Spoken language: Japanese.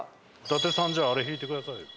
伊達さんじゃああれ弾いてくださいよ。